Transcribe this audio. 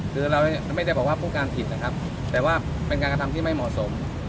คือเราไม่ได้บอกว่าผู้การผิดนะครับแต่ว่าเป็นการกระทำที่ไม่เหมาะสม